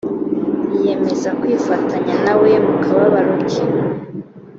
yiyemeza kwifatanya nawe mukababaro ke